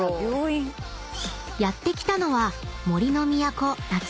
［やって来たのは］